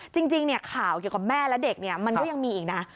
จริงข่าวเกี่ยวกับแม่และเด็กมันก็ยังมีอีกนะ